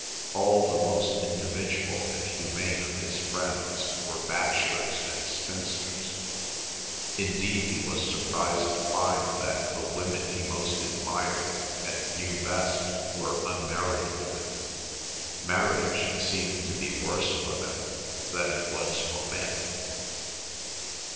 All the most individual and humane of his friends were bachelors and spinsters; indeed he was surprised to find that the women he most admired and knew best were unmarried women. Marriage seemed to be worse for them than it was for men.